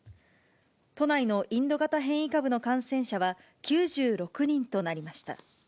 都内のインド型変異株の感染者は９６人となりました。